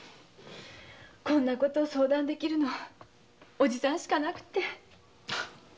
こんなことを相談できるのはおじさんしかなくて。